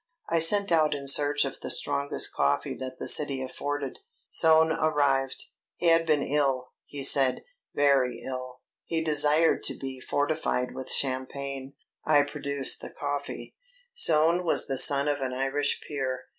I sent out in search of the strongest coffee that the city afforded. Soane arrived. He had been ill, he said, very ill. He desired to be fortified with champagne. I produced the coffee. Soane was the son of an Irish peer.